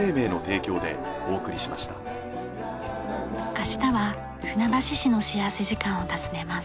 明日は船橋市の幸福時間を訪ねます。